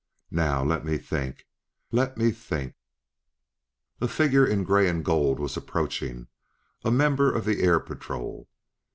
Now, let me think; let me think " A figure in gray and gold was approaching, a member of the Air Patrol.